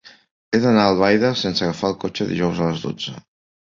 He d'anar a Albaida sense agafar el cotxe dijous a les dotze.